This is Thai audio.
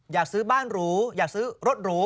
อยากซื้อบ้านหรูอยากซื้อรถหรู